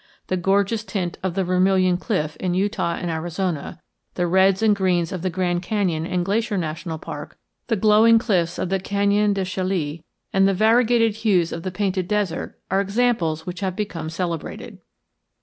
The gorgeous tint of the Vermilion Cliff in Utah and Arizona, the reds and greens of the Grand Canyon and Glacier National Park, the glowing cliffs of the Canyon de Chelly, and the variegated hues of the Painted Desert are examples which have become celebrated.